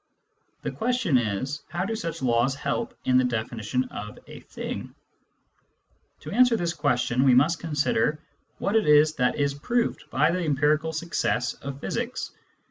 The question is : How do such laws help in the definition of a " thing "? To answer this question, we must consider what it is that is proved by the empirical success of physics.